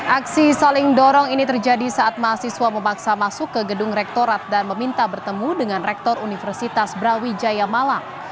aksi saling dorong ini terjadi saat mahasiswa memaksa masuk ke gedung rektorat dan meminta bertemu dengan rektor universitas brawijaya malang